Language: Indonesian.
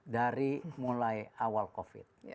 dari mulai awal covid